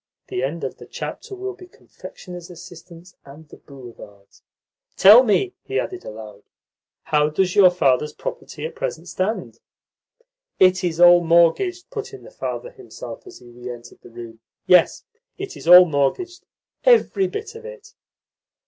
"The end of the chapter will be confectioners' assistants and the boulevards." "Tell me," he added aloud, "how does your father's property at present stand?" "It is all mortgaged," put in the father himself as he re entered the room. "Yes, it is all mortgaged, every bit of it."